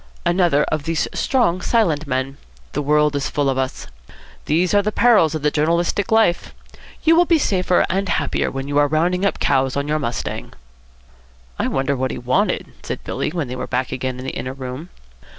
"Another of these strong silent men. The world is full of us. These are the perils of the journalistic life. You will be safer and happier when you are rounding up cows on your mustang." "I wonder what he wanted," said Billy, when they were back again in the inner room.